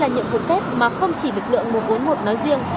đây là nhiệm vụ kết mà không chỉ lực lượng một trăm bốn mươi một nói riêng